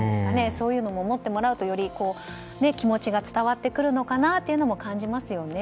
そういうのも持ってもらうとより気持ちが伝わってくるのかなと感じますよね。